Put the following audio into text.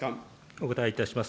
お答えいたします。